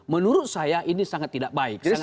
menurut saya ini sangat tidak baik